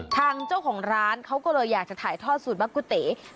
ทางเจ้าของร้านเขาก็เลยอยากจะถ่ายทอดสูตรมะกุเต๋